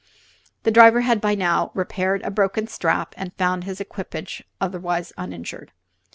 The driver had by now repaired a broken strap and found his equippage otherwise uninjured.